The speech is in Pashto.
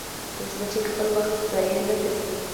مچمچۍ خپل وخت ضایع نه کوي